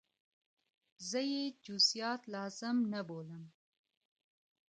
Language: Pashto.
زه یې جزئیات لازم نه بولم.